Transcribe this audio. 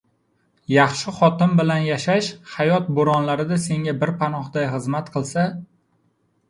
Yaxshi xotin bilan yashash — hayot bo‘ronlarida senga bir panohday xizmat qilsa